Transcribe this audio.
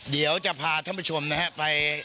เดี๋ยวจะพาท่านผู้ชมนะฮะไป